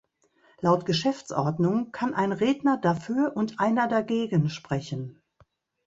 Laut Geschäftsordnung kann ein Redner dafür und einer dagegen sprechen.